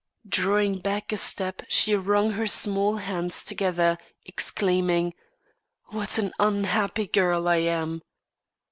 Drawing back a step she wrung her small hands together, exclaiming, "What an unhappy girl I am!"